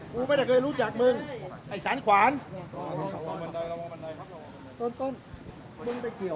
กูไม่ได้เคยรู้จักมึงไอ้สานขวานระวังบันไดระวังบันไดครับ